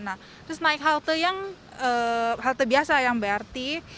nah terus naik halte yang halte biasa yang brt